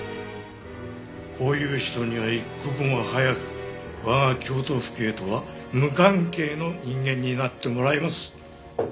こういう人には一刻も早く我が京都府警とは無関係の人間になってもらいます。